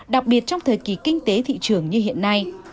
đặc biệt trong thời kỳ kinh tế thị trường như hiện nay